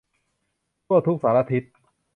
ทั่วทุกสารทิศ